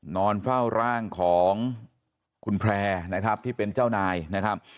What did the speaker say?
นอนเฝ้าร่างของคุณแพร่นะครับที่เป็นเจ้านายนะครับ